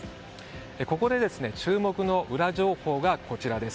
ここで注目のウラ情報がこちらです。